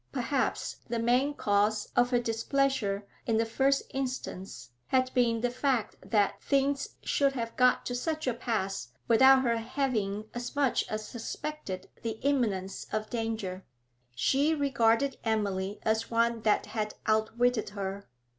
Perhaps the main cause of her displeasure in the first instance had been the fact that things should have got to such a pass without her having as much as suspected the imminence of danger; she regarded Emily as one that had outwitted her.